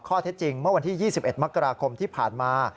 ข้อเท็จจริงเมื่อวันที่๒๑มกราคมที่ผ่านมา